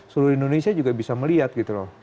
seluruh indonesia juga bisa melihat gitu loh